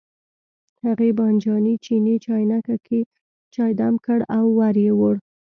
هغې بانجاني چیني چاینکه کې چای دم کړ او ور یې وړ.